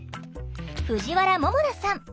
藤原ももなさん。